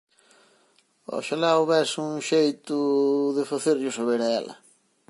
Oxalá houbese un xeito... de facerllo saber a ela.